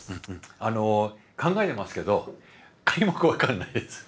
あの考えてますけど皆目分からないです。